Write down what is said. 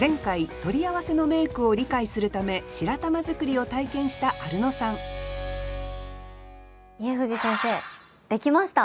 前回取り合わせの名句を理解するため白玉作りを体験したアルノさん家藤先生できました！